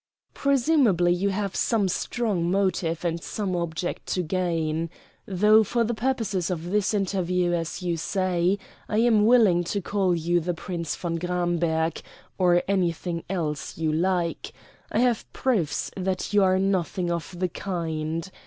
"Presumably you have some strong motive and some object to gain. Though for the purposes of this interview, as you say, I am willing to call you the Prince von Gramberg, or anything else you like, I have proofs that you are nothing of the kind.